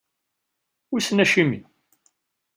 Wissen acimi.